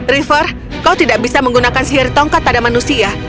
river kau tidak bisa menggunakan sihir tongkat pada manusia